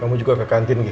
al kamu juga ke kantin g